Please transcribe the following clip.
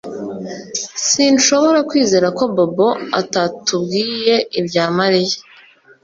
Sinshobora kwizera ko Bobo atatubwiye ibya Mariya